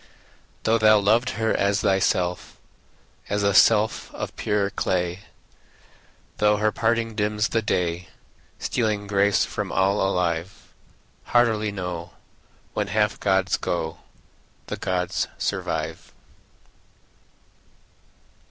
Though thou loved her as thyself, As a self of purer clay, Though her parting dims the day, Stealing grace from all alive; Heartily know, When half gods go, The gods survive.